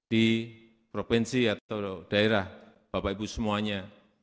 di provinsi atau daerah bapak ibu semuanya